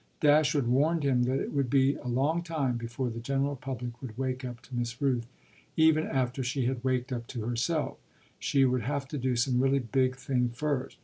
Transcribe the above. Dashwood warned him that it would be a long time before the general public would wake up to Miss Rooth, even after she had waked up to herself; she would have to do some really big thing first.